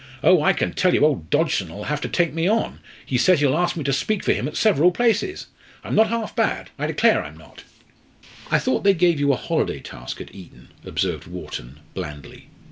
Oh! I can tell you old Dodgson'll have to take me on. He says he'll ask me to speak for him at several places. I'm not half bad, I declare I'm not." "I thought they gave you a holiday task at Eton," observed Wharton, blandly.